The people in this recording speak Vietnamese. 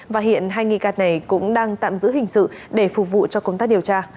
và hiện hai nghi gạt này cũng đang tạm giữ hình sự để phục vụ cho công tác điều tra